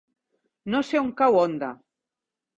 No sé on cau Onda.